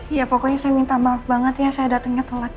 ya pokoknya saya minta maaf banget ya saya datangnya telat